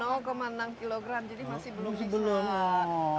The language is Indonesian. oh enam kg jadi masih belum bisa